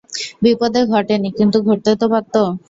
বিপদ ঘটে নি কিন্তু ঘটতে তো পারত।